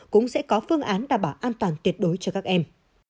cũng sẽ có phương án đảm bảo an toàn tuyệt đối cho các em